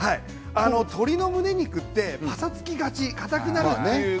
鶏のむね肉ってぱさつきがちかたくなるんですよね